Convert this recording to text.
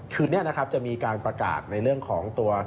คืนนี้นะครับจะมีการประกาศในเรื่องของตัว